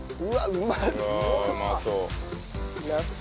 うまそう。